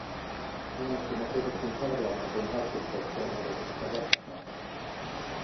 Äänestimme kuitenkin parlamentin tarkistettua ehdotusta vastaan.